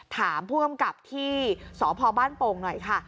กระมูลกับที่สอพอบ้านโปงหน่อยค่ะ